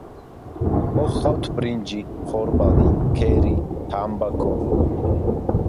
მოჰყავთ ბრინჯი, ხორბალი, ქერი, თამბაქო.